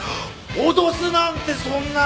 脅すなんてそんな！